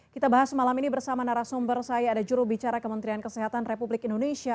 kita bahas malam ini bersama narasumber saya ada jurubicara kementerian kesehatan republik indonesia